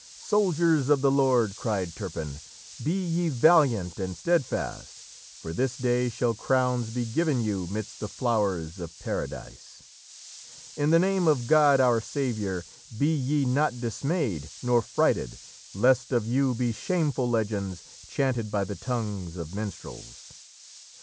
"'Soldiers of the Lord,' cried Turpin, 'Be ye valiant and steadfast, For this day shall crowns be given you Midst the flowers of Paradise. In the name of God our Saviour, Be ye not dismayed nor frighted, Lest of you be shameful legends Chanted by the tongues of minstrels.